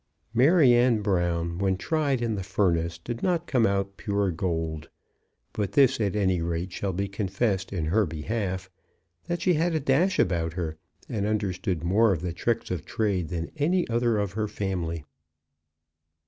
Maryanne Brown, when tried in the furnace, did not come out pure gold; but this, at any rate, shall be confessed in her behalf, that she had a dash about her, and understood more of the tricks of trade than any other of her family.